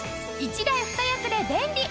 １台２役で便利！